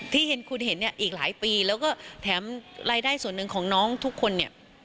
ที่เห็นคุณเห็นเนี่ยอีกหลายปีแล้วก็แถมรายได้ส่วนหนึ่งของน้องทุกคนเนี่ย